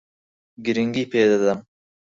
گرنگی پێ دەدەم.